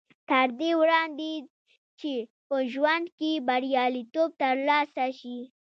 تر دې وړاندې چې په ژوند کې برياليتوب تر لاسه شي.